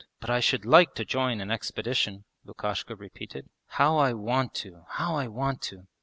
But I should like to join an expedition,' Lukashka repeated. 'How I want to! How I want to!'